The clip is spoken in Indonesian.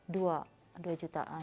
dua dua jutaan